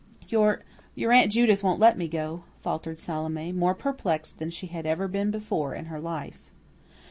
"Your your Aunt Judith won't let me go," faltered Salome, more perplexed than she had ever been before in her life.